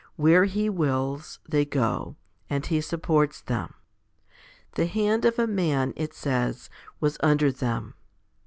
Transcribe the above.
Where He wills, they go; and He supports them. The hand of a man, it says, was under HOMILY 1 9 them.